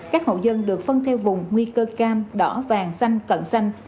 các hậu dân được phân theo vùng nguy cơ cam đỏ vàng xanh cận xanh